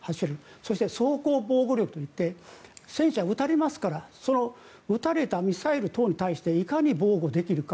そして装甲防護力といって戦車、撃たれますから撃たれたミサイル等に対していかに防護できるか。